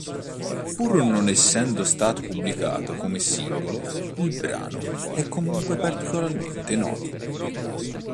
Pur non essendo stato pubblicato come singolo, il brano è comunque particolarmente noto.